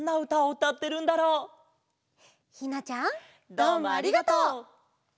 どうもありがとう！